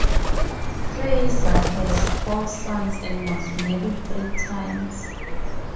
Frazier has four sons and was married three times.